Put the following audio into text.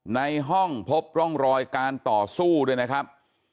ในห้องพบร่องรอยการต่อสู้ด้วยนะครับ